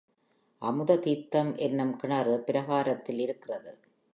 அமுததீர்த்தம் என்னும் கிணறு பிரகாரத்தில் இருக்கிறது.